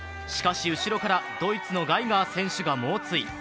しかし、後ろからドイツのガイガー選手が猛追。